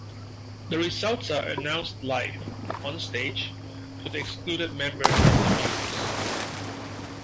The results are announced live, on stage, to the excluded member and the viewers.